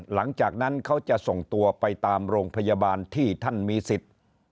หลังจากนั้นเขาจะส่งตัวไปตามโรงพยาบาลที่ท่านมีสิทธิ์